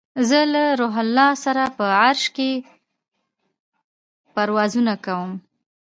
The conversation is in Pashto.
زه له روح الله سره په عرش کې پروازونه کوم